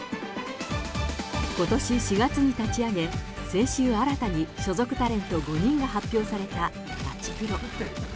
ことし４月に立ち上げ、先週、新たに所属タレント５人が発表された舘プロ。